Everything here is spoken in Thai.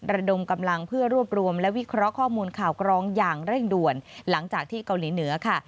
ระดมกำลังเพื่อรวบรวมและวิเคราะห์ข้อมูลข่าวกรองอย่างเร่งด่วนหลังจากที่เกาหลีเหนือค่ะ